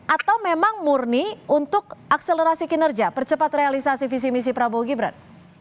atau memang murni untuk akselerasi kinerja percepat realisasi visi misi prabowo gibran